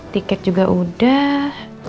tiket juga udah